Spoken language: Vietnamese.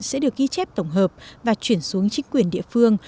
sẽ được ghi chép tổng hợp và chuyển xuống chính quyền địa phương